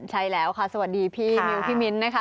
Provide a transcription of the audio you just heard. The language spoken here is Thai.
ใช่แล้วค่ะสวัสดีพี่มิวพี่มิ้นนะคะ